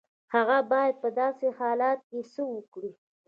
هغه بايد په داسې حالت کې څه وکړي؟